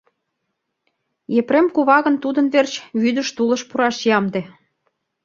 Епрем кува гын тудын верч вӱдыш-тулыш пураш ямде.